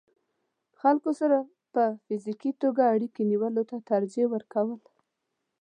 خلکو سره په فزيکي توګه اړيکې نيولو ته ترجيح ورکول